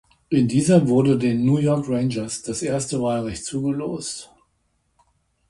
In dieser wurde den New York Rangers das erste Wahlrecht zugelost.